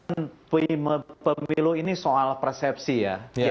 terhambat dari keopeian pilihan pengileran jawa barat ketika ditunggu sudah menang